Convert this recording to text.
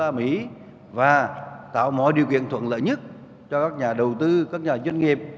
usd và tạo mọi điều kiện thuận lợi nhất cho các nhà đầu tư các nhà doanh nghiệp